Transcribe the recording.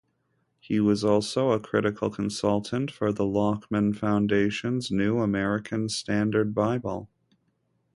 He was also a critical consultant for the Lockman Foundation's New American Standard Bible.